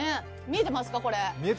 見えてますか、これ。